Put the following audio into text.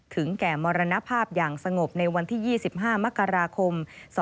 ถึงแก่มรณภาพอย่างสงบในวันที่๒๕มกราคม๒๕๖๒